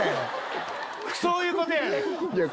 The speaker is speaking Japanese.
そういうことやねん。